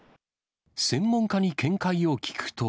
専門家に見解を聞くと。